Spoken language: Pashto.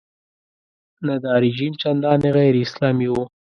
نه دا رژیم چندانې غیراسلامي و.